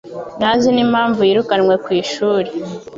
ntazi n'impamvu yirukanwe ku ishuri.